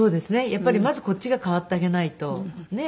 やっぱりまずこっちが変わってあげないとねえ。